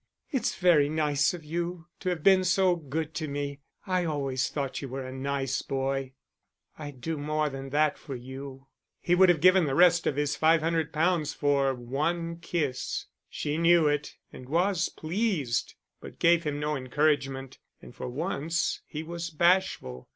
"It's very nice of you to have been so good to me. I always thought you were a nice boy." "I'd do more than that for you." He would have given the rest of his five hundred pounds for one kiss. She knew it, and was pleased, but gave him no encouragement, and for once he was bashful.